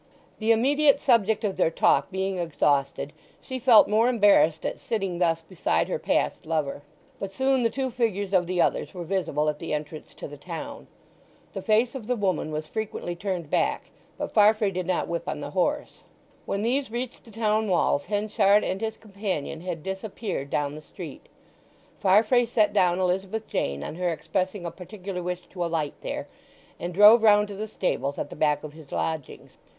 The immediate subject of their talk being exhausted she felt more embarrassed at sitting thus beside her past lover; but soon the two figures of the others were visible at the entrance to the town. The face of the woman was frequently turned back, but Farfrae did not whip on the horse. When these reached the town walls Henchard and his companion had disappeared down the street; Farfrae set down Elizabeth Jane on her expressing a particular wish to alight there, and drove round to the stables at the back of his lodgings.